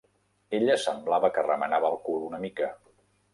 Ella semblava que remenava el cul una mica.